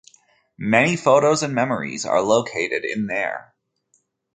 Many photos and memories are located in there.